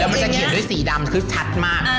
แล้วมันจะเขียนด้วยสีดำก็ชัดมาก